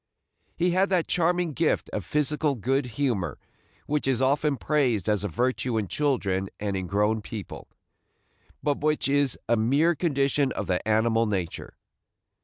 He had that charming gift of physical good humor which is often praised as a virtue in children and in grown people, but which is a mere condition of the animal nature.